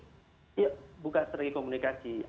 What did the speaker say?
iya bukan strategi komunikasi